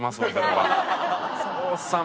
おっさん